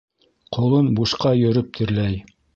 Ҡолон бушҡа йөрөп тирләй.